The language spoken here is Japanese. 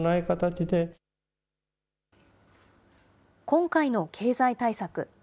今回の経済対策。